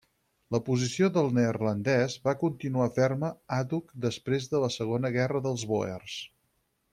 La posició del neerlandès va continuar ferma àdhuc després de la segona guerra dels bòers.